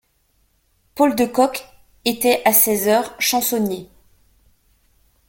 Paul de Kock était à ses heures chansonnier.